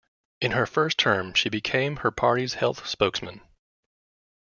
In her first term she became her party's health spokesman.